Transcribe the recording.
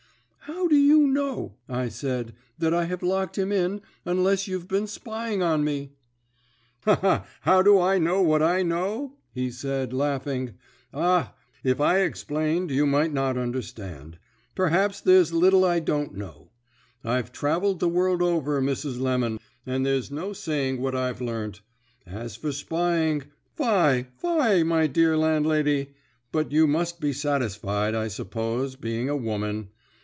"'How do you know?' I said, 'that I have locked him in, unless you've been spying me?' "'How do I know what I know?' he said, laughing. 'Ah, if I egsplained you might not understand. Perhaps there's little I don't know. I've travelled the world over, Mrs. Lemon, and there's no saying what I've learnt. As for spying, fye, fye, my dear landlady! But you must be satisfied, I suppose, being a woman.